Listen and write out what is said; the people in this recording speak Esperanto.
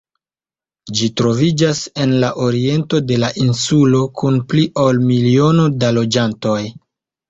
Ĝi troviĝas en la oriento de la insulo, kun pli ol miliono da loĝantoj.